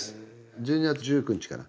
１２月１９日から。